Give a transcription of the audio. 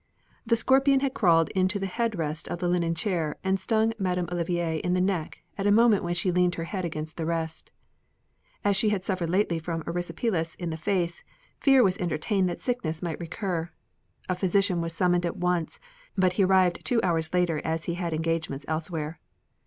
The scorpion had crawled onto the head rest of the linen chair and stung Madame Olivier in the neck at a moment when she leaned her head against the rest. As she had suffered lately from erysipelas in the face, fear was entertained that the sickness might recur. A physician was summoned at once, but he arrived two hours later as he had engagements elsewhere.